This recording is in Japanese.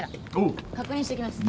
確認してきます。